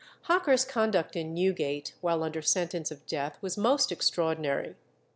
Hocker's conduct in Newgate while under sentence of death was most extraordinary.